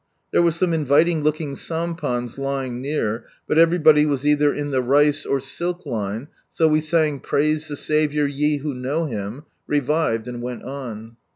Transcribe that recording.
There were some inviting looking sampans lying near, but everybody was either in the rice or silk line, so we sang " Praise the Saviour, ye who know Him," revived, and went on.